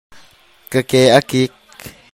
Ka ke a kik.